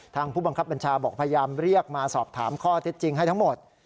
ผู้บังคับบัญชาบอกพยายามเรียกมาสอบถามข้อเท็จจริงให้ทั้งหมด